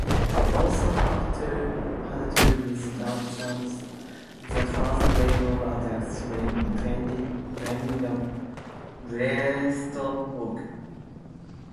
They also had to withstand the first wave of attacks when defending a breastwork.